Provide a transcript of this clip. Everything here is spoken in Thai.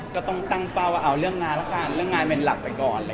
ก็ต้องตั้งเป้าว่าเอาเรื่องงานแล้วกันเรื่องงานเป็นหลักไปก่อน